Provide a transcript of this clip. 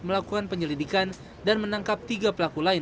melakukan penyelidikan dan menangkap tiga pelaku lain